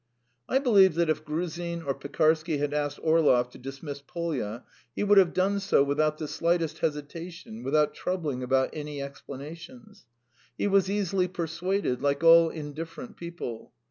I believe that if Gruzin or Pekarsky had asked Orlov to dismiss Polya he would have done so without the slightest hesitation, without troubling about any explanations. He was easily persuaded, like all indifferent people.